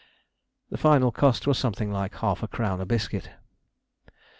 The final cost was something like half a crown a biscuit.